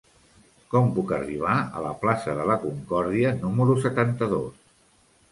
Com puc arribar a la plaça de la Concòrdia número setanta-dos?